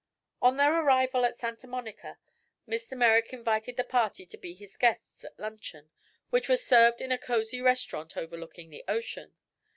On their arrival at Santa Monica Mr. Merrick invited the party to be his guests at luncheon, which was served in a cosy restaurant overlooking the ocean.